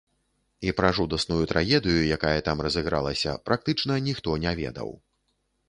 І пра жудасную трагедыю, якая там разыгралася, практычна ніхто не ведаў.